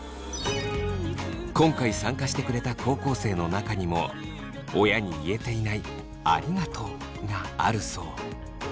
今回参加してくれた高校生の中にも親に言えていない「ありがとう」があるそう。